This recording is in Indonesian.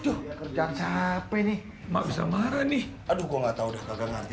tuh kerjaan capek nih maksa marah nih aduh gua nggak tahu deh kagak ngerti